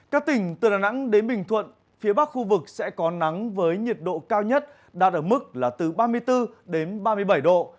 các tỉnh từ đà nẵng đến bình thuận phía bắc khu vực sẽ có nắng với nhiệt độ cao nhất đạt ở mức là từ ba mươi bốn đến ba mươi bảy độ